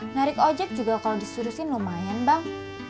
narik ojek juga kalo disurusin lumayan bang